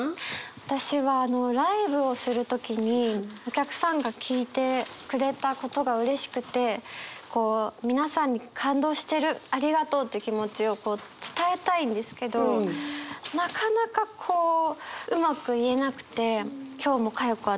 私はライブをする時にお客さんが聴いてくれたことがうれしくてこう皆さんに感動してるありがとうという気持ちを伝えたいんですけどなかなかこううまく言えなくて。